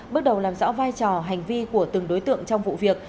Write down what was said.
bước đầu làm rõ vai trò hành vi của từng đối tượng trong vụ việc